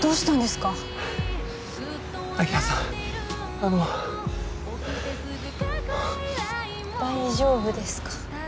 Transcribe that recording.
あの大丈夫ですか？